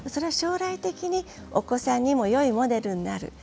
将来的にお子さんにもよいモデルになる。